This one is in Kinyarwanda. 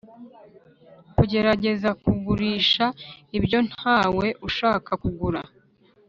kugerageza kugurisha ibyo ntawe ushaka kugura.